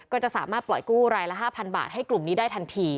ก็จะสามารถปล่อยกู้รายละ๕๐๐บาทให้กลุ่มนี้ได้ทันที